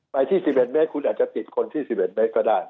ที่๑๑เมตรคุณอาจจะติดคนที่๑๑เมตรก็ได้